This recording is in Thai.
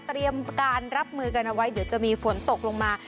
เตรียมการรับมือกันเอาไว้เดี๋ยวจะมีฝนตกลงมา